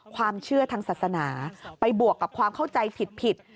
ความเชื่อทางศาสนาไปบวกกับความเข้าใจผิด